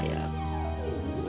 ken kau mau ngomong apa